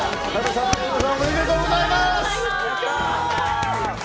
おめでとうございます！